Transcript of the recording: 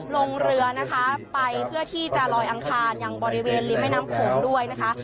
ลงเรือนะคะไปเพื่อที่จะลอยอังคารยังบริเวณริมแม่น้ำโขงด้วยนะคะ